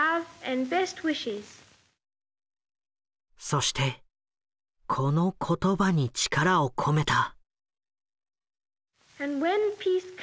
そしてこの言葉に力を込めた。